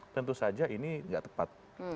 tentu saja ini tidak tepat